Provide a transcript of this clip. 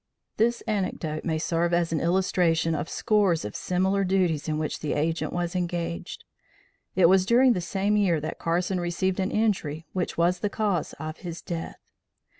This anecdote may serve as an illustration of scores of similar duties in which the agent was engaged. It was during the same year that Carson received an injury which was the cause of his death.